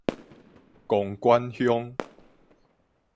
公館鄉